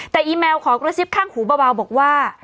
แต่อีแมวขอกระซิบข้างหูเบาบอกว่า